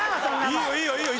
いいよいいよいいよ。